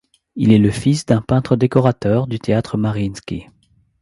Il est le fils d'un peintre décorateur du Théâtre Mariinski.